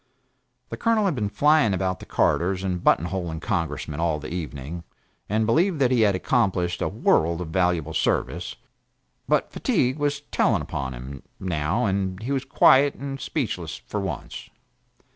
The Colonel had been flying about the corridors and button holing Congressmen all the evening, and believed that he had accomplished a world of valuable service; but fatigue was telling upon him, now, and he was quiet and speechless for once.